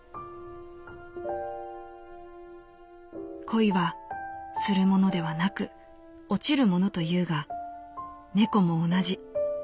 「恋は『する』ものではなく『落ちる』ものというが猫も同じ。